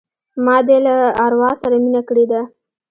ما دي له اروا سره مینه کړې ده